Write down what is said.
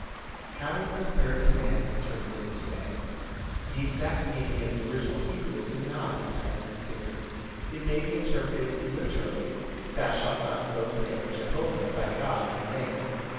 How is the third command interpreted to day? The exact meaning of the original Hebrew is not entirely clear. It may be interpreted literally: "Thou shall not invoke the name of Jehovah, thy God, in vain."